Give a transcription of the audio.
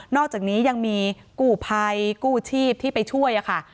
อกจากนี้ยังมีกู้ภัยกู้ชีพที่ไปช่วยค่ะ